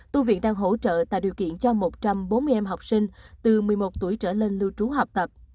tu viện đang hỗ trợ tạo điều kiện cho một trăm bốn mươi em học sinh từ một mươi một tuổi trở lên lưu trú học tập